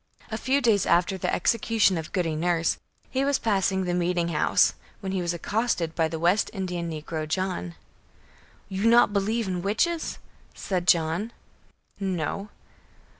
A few days after the execution of Goody Nurse, he was passing the meeting house, when he was accosted by the West Indian negro, John. "You not believe in witches?" said John. "No."